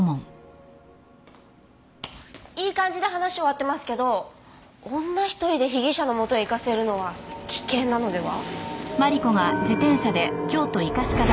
いい感じで話終わってますけど女一人で被疑者の元へ行かせるのは危険なのでは？